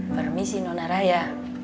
permisi nona raya